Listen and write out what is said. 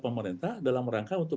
pemerintah dalam rangka untuk